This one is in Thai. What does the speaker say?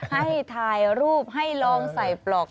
ให้ถ่ายรูปให้ลองใส่ปลอก